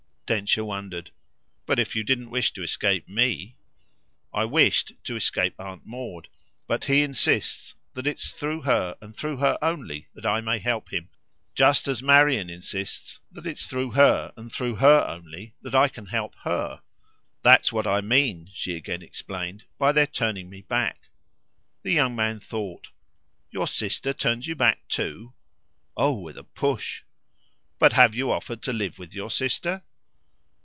Densher wondered. "But if you didn't wish to escape ME?" "I wished to escape Aunt Maud. But he insists that it's through her and through her only that I may help him; just as Marian insists that it's through her, and through her only, that I can help HER. That's what I mean," she again explained, "by their turning me back." The young man thought. "Your sister turns you back too?" "Oh with a push!" "But have you offered to live with your sister?"